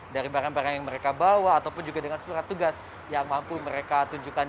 dari barang barang yang mereka bawa ataupun juga dengan surat tugas yang mampu mereka tunjukkan